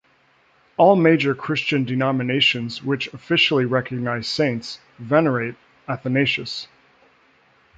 All major Christian denominations which officially recognize saints venerate Athanasius.